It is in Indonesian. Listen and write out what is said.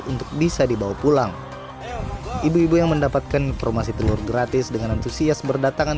untuk bisa dibawa pulang ibu ibu yang mendapatkan informasi telur gratis dengan antusias berdatangan